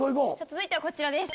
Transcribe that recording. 続いてはこちらです。